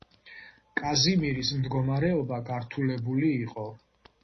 კაზიმირის მდგომარეობა გართულებული იყო.